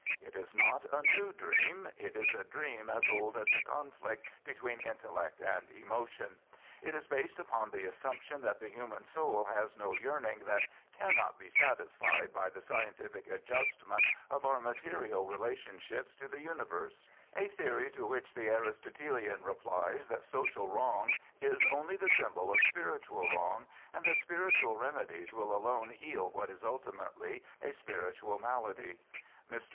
It is not a new dream. It is a dream as old as the conflict between intellect and emotion. It is based upon the assumption that the human soul has no yearning that cannot be satisfied by the scientific adjustment of our material relationships to the universe, a theory to which the Aristotelian replies that social wrong is only the symbol of spiritual wrong, and that spiritual remedies will alone heal what is ultimately a spiritual malady. Mr.